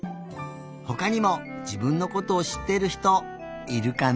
ほかにも自分のことをしっている人いるかな？